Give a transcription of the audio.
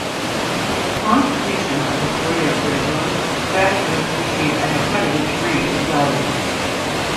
Upon completion of the four-year curriculum, graduates receive an accredited degree in theology.